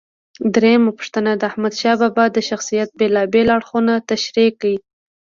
درېمه پوښتنه: د احمدشاه بابا د شخصیت بېلابېل اړخونه تشریح کړئ.